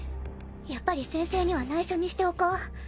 やっぱり先生にはないしょにしておこう。